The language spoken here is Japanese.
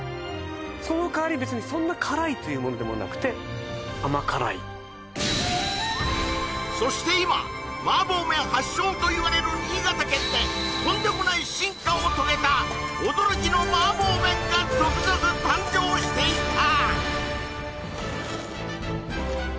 その代わりべつにそんな辛いというものでもなくて甘辛いそして今麻婆麺発祥といわれる新潟県でとんでもない進化を遂げた驚きの麻婆麺が続々誕生していたね